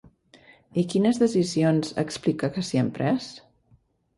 I quines decisions explica que s'hi han pres?